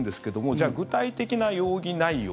じゃあ具体的な容疑内容